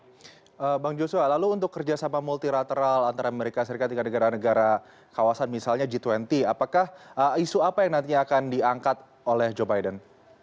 oke bang joshua lalu untuk kerjasama multilateral antara amerika serikat dengan negara negara kawasan misalnya g dua puluh apakah isu apa yang nantinya akan diangkat oleh joe biden